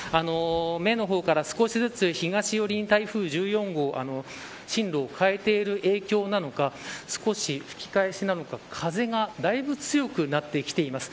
目の方から少しずつ東寄りに台風１４号進路を変えている影響なのか少し吹き返しなのか風がだいぶ強くなってきています。